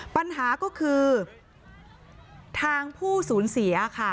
ปัญหาก็คือทางผู้สูญเสียค่ะ